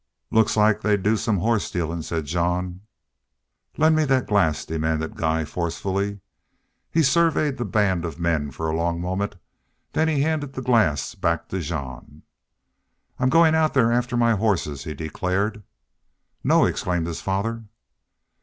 "Looks like they'd do some horse stealin'," said Jean. "Lend me that glass," demanded Guy, forcefully. He surveyed the band of men for a long moment, then he handed the glass back to Jean. "I'm goin' out there after my hosses," he declared. "No!" exclaimed his father.